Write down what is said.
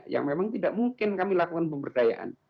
yang memang tidak mungkin kami lakukan pemberdayaan